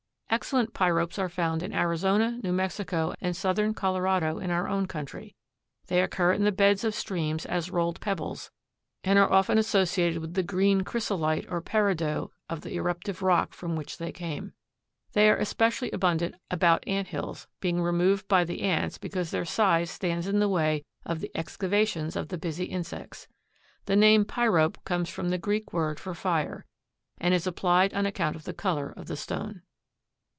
Excellent pyropes are found in Arizona, New Mexico and Southern Colorado in our own country. They occur in the beds of streams as rolled pebbles, and often associated with the green chrysolite or peridot of the eruptive rock from which they came. They are especially abundant about anthills, being removed by the ants because their size stands in the way of the excavations of the busy insects. The name pyrope comes from the Greek word for fire, and is applied on account of the color of the stone.